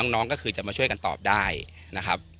น้องก็คือจะมาช่วยกันตอบได้นะครับ